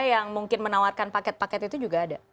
yang mungkin menawarkan paket paket itu juga ada